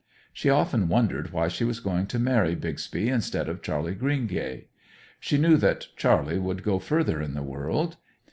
She often wondered why she was going to marry Bixby instead of Charley Greengay. She knew that Charley would go further in the world.